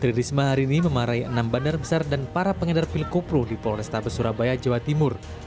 tridris maharin ini memelarahi enam bandar besar dan para pengedar pekoplo di polrestabes surabaya jawa timur